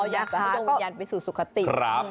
อยากจะโดนวิญญาณไปสู่สุขติด